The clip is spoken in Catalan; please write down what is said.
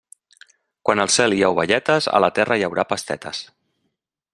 Quan al cel hi ha ovelletes, a la terra hi haurà pastetes.